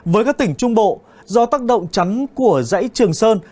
với các tỉnh trung bộ do tác động chắn của dãy trường sơn